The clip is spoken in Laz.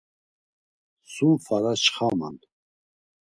Sum fara çxaman.